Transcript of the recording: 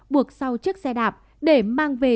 buộc sau chiếc xe đạp để mang về